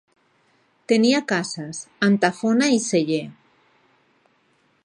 Tenia cases, amb tafona i celler.